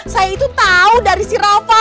saya itu tau dari si rafa